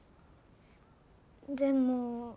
でも。